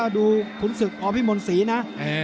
ดูขุนศึกอพิมลศรีนะ